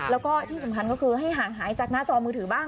แล้วก็ที่สำคัญก็คือให้ห่างหายจากหน้าจอมือถือบ้าง